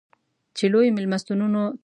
چې لویو مېلمستونو ته د تګ اجازه ولرې.